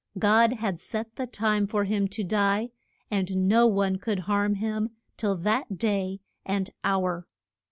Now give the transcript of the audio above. God had set the time for him to die, and no one could harm him till that day and hour.